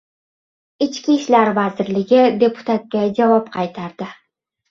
Ichki ishlar vazirligi deputatga javob qaytardi